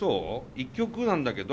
１曲なんだけど。